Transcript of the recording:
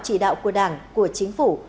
chỉ đạo của đảng của chính phủ